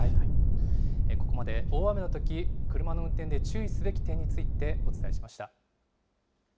ここまで、大雨のとき、車の運転で注意すべき点についてお伝えしました。